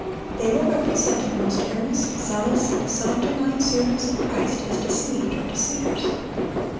They will represent the most earnest, zealous, self denying servants of Christ as deceived or deceivers.